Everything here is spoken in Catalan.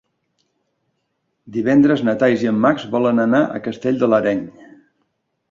Divendres na Thaís i en Max volen anar a Castell de l'Areny.